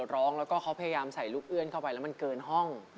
ร้องแล้วก็เขาพยายามใส่ลูกเอื้อนเข้าไปแล้วมันเกินห้อง